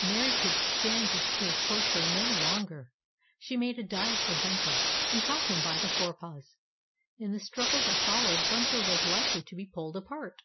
Mary could stand this cruel torture no longer. She made a dive for Bumper, and caught him by the fore paws. In the struggle that followed Bumper was likely to be pulled apart.